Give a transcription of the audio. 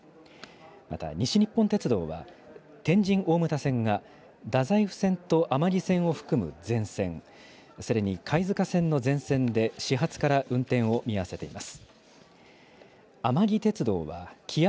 また西日本鉄道は、天神大牟田線が太宰府線と甘木線を含む全線、それに貝塚線の全線で始発から運転を見合わせています。